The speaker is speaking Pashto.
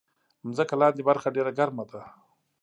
مځکه لاندې برخه ډېره ګرمه ده.